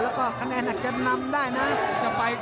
แล้วก็คะแนนอาจจะนำได้นะ